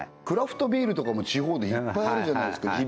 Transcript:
クラフトビールとかも地方でいっぱいあるじゃないですか